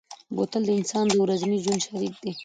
بوتل د انسان د ورځني ژوند شریک دی.